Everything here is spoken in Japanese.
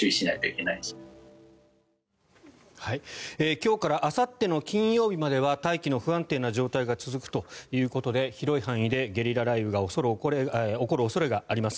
今日からあさっての金曜日までは大気の不安定な状態が続くということで広い範囲でゲリラ雷雨が起こる恐れがあります。